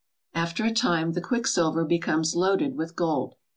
After a time the quicksilver becomes loaded with gold.